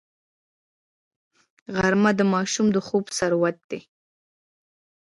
غرمه د ماشوم د خوب سرود دی